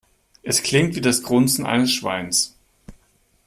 Es klingt wie das Grunzen eines Schweins.